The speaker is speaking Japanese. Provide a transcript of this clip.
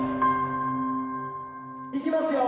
いきますよ。